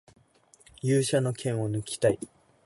勇者の剣をぬきたい